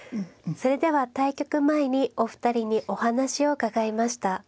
それでは対局前にお二人にお話を伺いました。